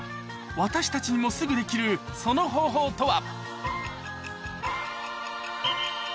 私たちにもすぐできるその方法とは？